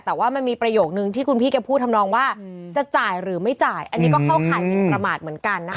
แต่ว่ามันมีประโยคนึงที่คุณพี่แกพูดทำนองว่าจะจ่ายหรือไม่จ่ายอันนี้ก็เข้าข่ายหมินประมาทเหมือนกันนะคะ